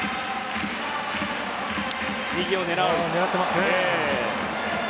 狙っていますね。